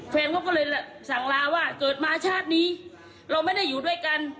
แฟนเขาก็เลยสั่งลาว่าเกิดมาชาตินี้เราไม่ได้อยู่ด้วยกัน